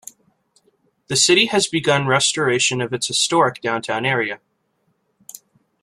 The city has begun restoration of its historic downtown area.